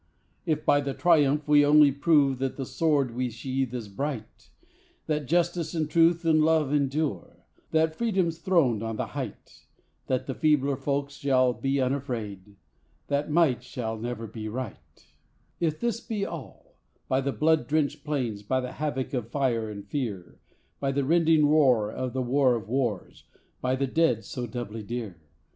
If by the Triumph we only prove that the sword we sheathe is bright; That justice and truth and love endure; that freedom's throned on the height; That the feebler folks shall be unafraid; that Might shall never be Right; If this be all: by the blood drenched plains, by the havoc of fire and fear, By the rending roar of the War of Wars, by the Dead so doubly dear.